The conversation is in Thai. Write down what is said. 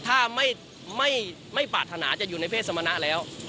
ถ้าไม่ปรารถนาจะอยู่ในเพศสมณะแล้ว